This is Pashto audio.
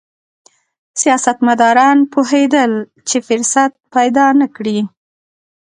سیاستمداران پوهېدل چې فرصت پیدا نه کړي.